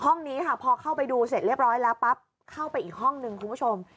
นี้ค่ะพอเข้าไปดูเสร็จเรียบร้อยแล้วปั๊บเข้าไปอีกห้องนึงคุณผู้ชม